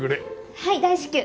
はい大至急。